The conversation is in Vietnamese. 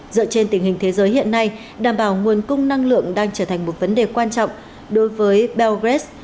dựa trên tình hình thế giới hiện nay đảm bảo nguồn cung năng lượng đang trở thành một vấn đề quan trọng đối với belarus